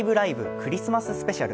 クリスマススペシャル」